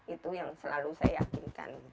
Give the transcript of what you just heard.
itu yang selalu saya yakinkan